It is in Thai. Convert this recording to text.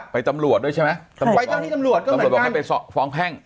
ไปตำรวจด้วยใช่ไหมตำรวจบอกให้ไปฟ้องแพร่ง